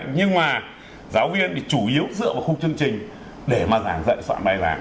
nhưng mà giáo viên thì chủ yếu dựa vào khung chương trình để mà giảng dạy soạn bài giảng